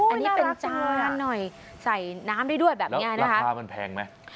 อันนี้เป็นจานหน่อยใส่น้ำได้ด้วยแบบนี้นะคะราคามันแพงไหม